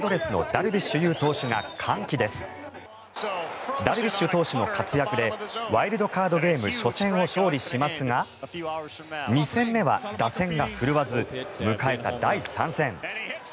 ダルビッシュ投手の活躍でワイルドカードゲーム初戦を勝利しますが２戦目は打線が振るわず迎えた第３戦。